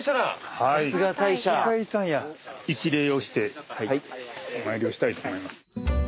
一礼をしてお参りをしたいと思います。